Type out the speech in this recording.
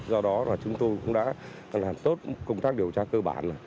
do đó là chúng tôi cũng đã làm tốt công tác điều tra cơ bản